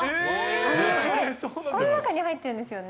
この中に入ってるんですよね。